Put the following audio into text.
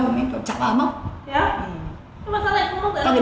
không ý còn chả bao mốc dạ ừ nhưng mà sao lại không mốc